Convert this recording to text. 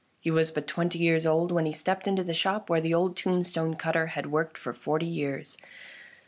He was but twenty years old when he stepped into the shop where the old tombstone cutter had worked for forty years.